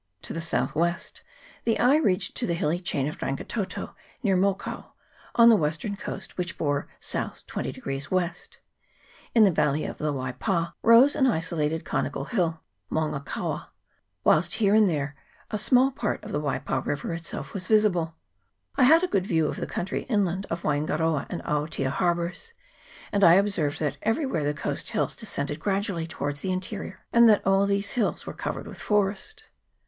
To the south west the eye reached to the hilly chain of Rangitoto, near Mokau, on the western coast, which bore S. 20 W. In the valley of the Waipa rose an isolated conical hill, Maunga Kaua, whilst here and there a small part of the Waipa river itself was visible. I had a good view of the country inland of Waingaroa and Aotea Harbours ; and I observed that everywhere the coast hills descended gradually towards the interior, and that all these hills were covered with forest.